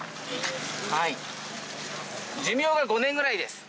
はい寿命が５年くらいです。